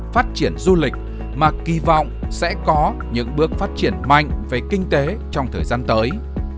phát triển du lịch mà kỳ vọng sẽ có những bước phát triển mạnh về kinh tế trong thời gian tới